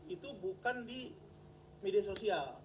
itu bukan di media sosial